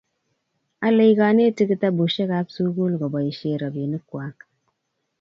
Alei kanetik kitabushek ab sukul koboishee robinik kwai